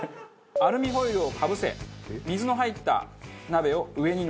アルミホイルをかぶせ水の入った鍋を上にのせて押し付けます。